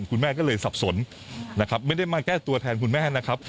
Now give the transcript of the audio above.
คุณแม่ก็เลยสับสนนะครับไม่ได้มาแก้ตัวแทนคุณแม่นะครับ